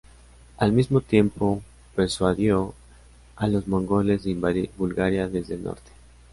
Al mismo tiempo, persuadió a los mongoles de invadir Bulgaria desde el norte.